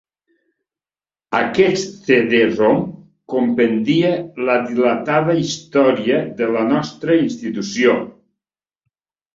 Aquest cd-rom compendia la dilatada història de la nostra institució.